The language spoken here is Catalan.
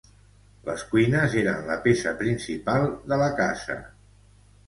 Les cuines eren la peça principal de la casa.